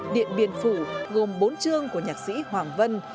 điện biên phủ gồm bốn chương của nhạc sĩ hoàng vân